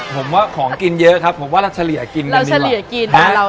ผมว่าของกินเยอะครับผมว่าเราเฉลี่ยกินกันดีเฉลี่ยกินนะ